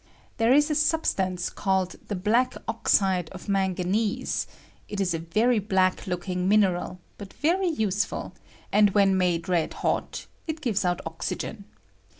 There is a substance called the black oxide of manganese ; it is a very black looking mineral, but very useful, and when made red hot it gives out oxygen.